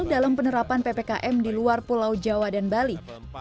dalam penerapan ppkm di luar pulau jawa dan bali